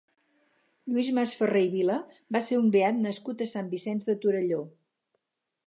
Lluis Masferrer i Vila va ser un beat nascut a Sant Vicenç de Torelló.